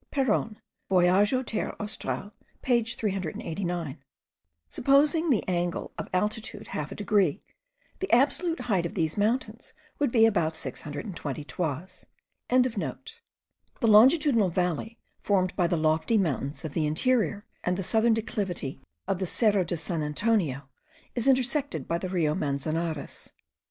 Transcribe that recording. Peron, Voyage aux Terres Australes page 389. Supposing the angle of altitude half a degree, the absolute height of these mountains would be about 620 toises.) The longitudinal valley formed by the lofty mountains of the interior and the southern declivity of the Cerro de San Antonio, is intersected by the Rio Manzanares.